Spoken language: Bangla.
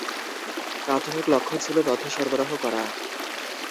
প্রাথমিক লক্ষ্য ছিল তথ্য সরবরাহ করা।